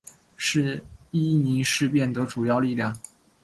是伊宁事变的重要力量。